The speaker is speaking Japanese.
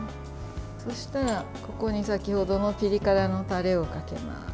そうしたらここに先ほどのピリ辛のタレをかけます。